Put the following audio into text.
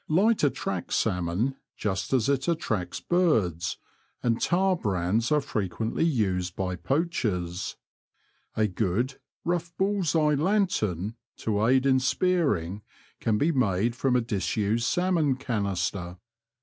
Light attracts salmon just as it attracts birds, and tar brands are frequently used by poachers. A good, rough bulls eye lantern, to aid in spearing, can be made from a disused salmon canister.